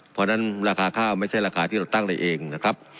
เพราะฉะนั้นราคาข้าวไม่ใช่ราคาที่เราตั้งได้เองนะครับ